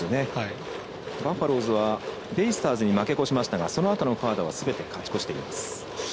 バファローズはベイスターズに負け越しましたがそのあとのカードはすべて勝ち越しています。